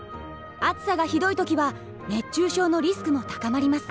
暑さがひどい時は熱中症のリスクも高まります。